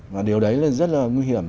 và điều đấy là rất là nguy hiểm